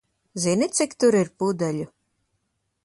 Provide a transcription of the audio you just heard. Zini, cik tur ir pudeļu?